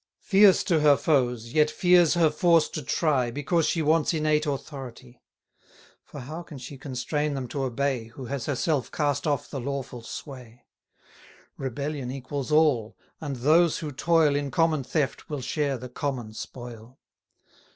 Fierce to her foes, yet fears her force to try, Because she wants innate authority; For how can she constrain them to obey, Who has herself cast off the lawful sway? Rebellion equals all, and those who toil In common theft, will share the common spoil.